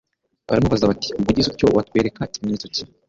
baramubaza bati: "Ubwo ugize utyo watwereka kimenyetso ki?"